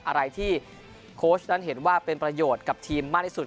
อะไรที่โค้ชนั้นเห็นว่าเป็นประโยชน์กับทีมมากที่สุด